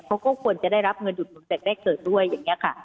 เขาก็ควรจะได้รับเงินอุดหนุนจากแรกเกิดด้วยอย่างนี้ค่ะ